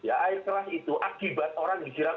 air keras itu akibat orang disiram